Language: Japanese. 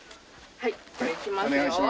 はい！